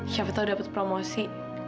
siapa tahu dapet promosi